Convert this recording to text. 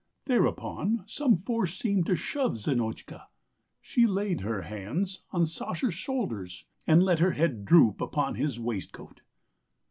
Thereupon some force seemed to shove Zinotchka; she laid her hands on Sasha's shoulders and let her head droop upon his waistcoat.